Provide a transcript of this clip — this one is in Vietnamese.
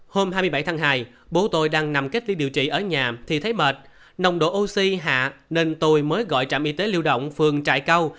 hôm hai mươi bảy tháng hai bố tôi đang nằm cách ly điều trị ở nhà thì thấy mệt nồng độ oxy hạ nên tôi mới gọi trạm y tế lưu động phường trại câu